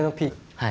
はい。